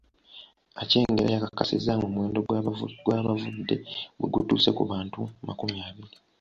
Aceng era yakakasizza nga omuwendo gw’abavudde bwegutuuse ku bantu makumi abiri.